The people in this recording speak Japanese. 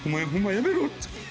やめろって。